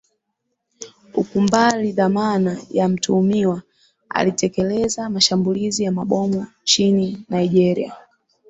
ukumbali dhamana ya mtuhumiwa alitekeleza mashambulizi ya mabomu nchini nigeria